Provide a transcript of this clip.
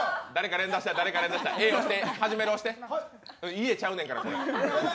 家ちゃうねんから。